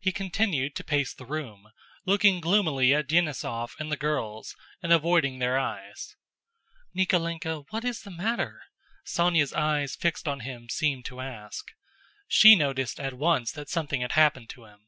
He continued to pace the room, looking gloomily at Denísov and the girls and avoiding their eyes. "Nikólenka, what is the matter?" Sónya's eyes fixed on him seemed to ask. She noticed at once that something had happened to him.